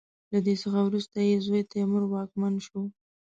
له ده څخه وروسته یې زوی تیمور واکمن شو.